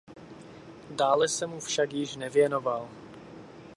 Dále se mu však již nevěnoval.